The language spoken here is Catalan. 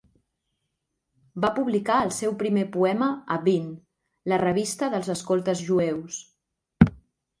Va publicar el seu primer poema a "Bin", la revista dels escoltes jueus.